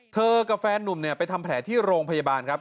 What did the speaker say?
เธอกับแฟนหนุ่มไปทำแผลที่โรงพยาบาลครับ